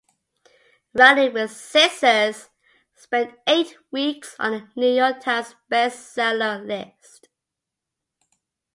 "Running with Scissors" spent eight weeks on the "New York Times" bestseller list.